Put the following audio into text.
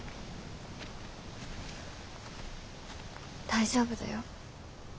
大丈夫だよ。